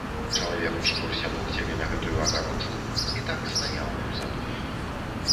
Чалавек успёрся локцямі на гэтую агароджу і так стаяў у задуме.